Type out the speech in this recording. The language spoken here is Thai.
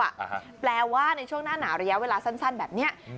อ่าฮะแปลว่าในช่วงหน้าหนาวระยะเวลาสั้นสั้นแบบเนี้ยอืม